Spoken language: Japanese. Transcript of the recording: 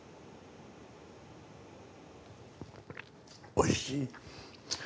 おいしい。